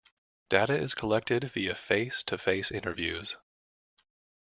Data is collected via face to face interviews.